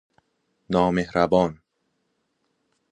نامﮩربان